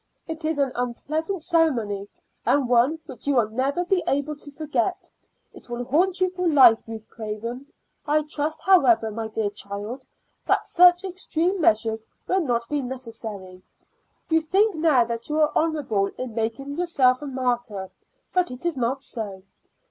It is an unpleasant ceremony, and one which you will never be able to forget; it will haunt you for life, Ruth Craven. I trust, however, my dear child, that such extreme measures will not be necessary. You think now that you are honorable in making yourself a martyr, but it is not so.